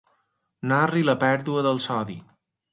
Narri la pèrdua del sodi.